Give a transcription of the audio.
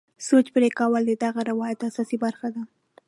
سوچ پرې کول د دغه روایت اساسي برخه ده.